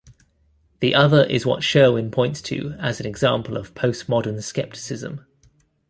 The other is what Sherwin points to as an example of postmodern skepticism.